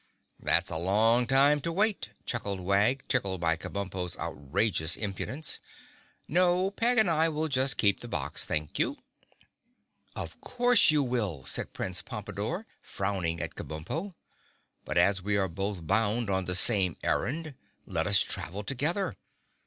"That's a long time to wait," chuckled Wag, tickled by Kabumpo's outrageous impudence. "No, Peg and I will just keep the box, thank you." "Of course you will," said Prince Pompadore, frowning at Kabumpo. "But as we are both bound on the same errand, let us travel together.